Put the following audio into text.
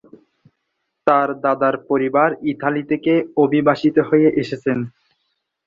তার দাদার পরিবার ইতালি থেকে অভিবাসিত হয়ে এসেছেন।